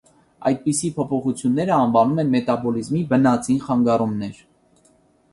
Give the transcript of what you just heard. Այդպիսի փոփոխություններն անվանում են «մետաբոլիզմի բնածին խանգարումներ»։